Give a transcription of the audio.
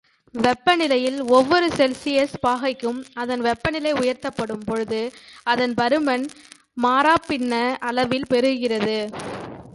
வெப்பநிலையில் ஒவ்வொரு செல்சியஸ் பாகைக்கும் அதன் வெப்பநிலை உயர்த்தப்படும் பொழுது அதன் பருமன் மாறாப்பின்ன அளவில் பெருகுகிறது.